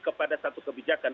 kepada satu kebijakan